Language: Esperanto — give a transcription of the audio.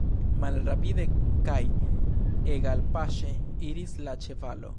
Malrapide kaj egalpaŝe iris la ĉevalo.